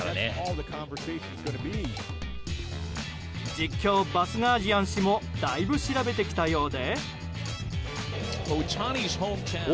実況、バスガージアン氏もだいぶ調べてきたようで。